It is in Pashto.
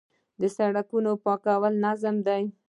د سړکونو پاکول منظم دي؟